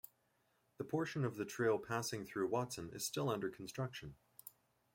The portion of the trail passing through Watson is still under construction.